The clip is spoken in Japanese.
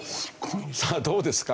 さあどうですか？